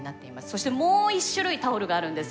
そしてもう一種類タオルがあるんです。